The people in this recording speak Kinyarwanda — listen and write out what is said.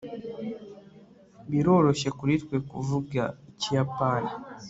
biroroshye kuri twe kuvuga ikiyapani